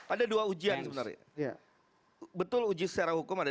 ada dua ujian sebenarnya